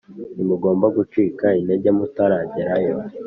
Ntimugomba gucika intege mutaragerayo